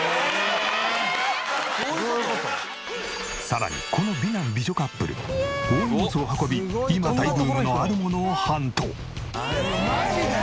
さらにこの美男美女カップル大荷物を運び今大ブームのあるものをハント。